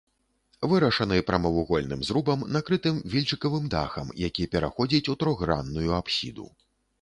Вырашаны прамавугольным зрубам, накрытым вільчыкавым дахам, які пераходзіць у трохгранную апсіду.